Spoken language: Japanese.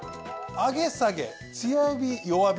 上げ下げ強火弱火。